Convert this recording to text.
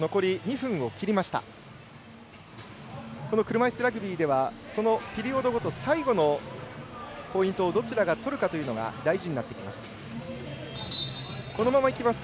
車いすラグビーではピリオドごと最後のポイントをどちらが取るかというのが大事になってきます。